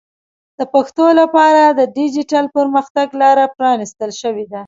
د پښتو لپاره د ډیجیټل پرمختګ لاره پرانیستل شوې ده.